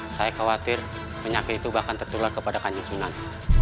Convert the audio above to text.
saya khawatir penyakit itu bahkan tertular kepada kanjeng tsunami